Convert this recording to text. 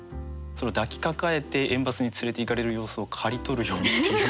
抱きかかえて園バスに連れていかれる様子を「刈りとるように」っていう。